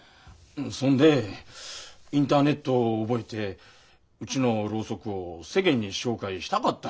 んそんでインターネットを覚えてうちのろうそくを世間に紹介したかったんやさ。